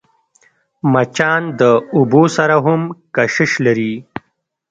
مچان د اوبو سره هم کشش لري